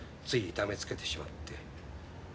つい痛めつけてしまって。